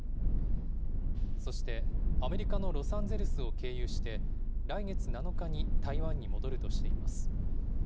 そしてアメリカのロサンゼルスを経由して、来月７日に台湾に戻るとしています。